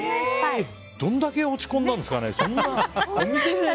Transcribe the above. どんだけ落ち込んだんですかね。